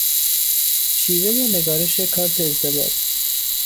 شیوهی نگارش کارت ازدواج